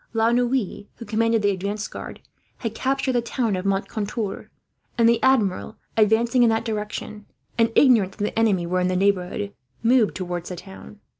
La Noue, who commanded the advance guard, had captured the town of Moncontour; and the Admiral, advancing in that direction, and ignorant that the enemy were in the neighbourhood, moved towards the town.